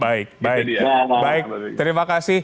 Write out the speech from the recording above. baik baik terima kasih